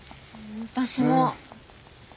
私も。